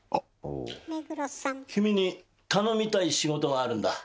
君に頼みたい仕事があるんだ。